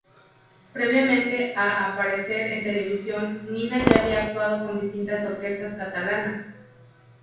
Previamente a aparecer en televisión, Nina ya había actuado con distintas orquestas catalanas.